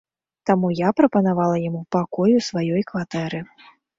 Таму я прапанавала яму пакой у сваёй кватэры.